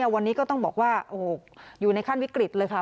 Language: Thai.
วันนี้ก็ต้องบอกว่าอยู่ในขั้นวิกฤตเลยค่ะ